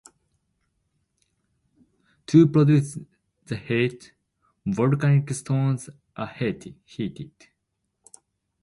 To produce the heat, volcanic stones are heated.